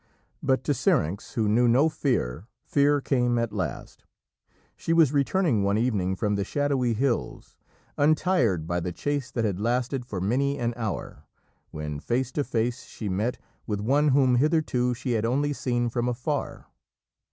But to Syrinx, who knew no fear, Fear came at last. She was returning one evening from the shadowy hills, untired by the chase that had lasted for many an hour, when, face to face, she met with one whom hitherto she had only seen from afar.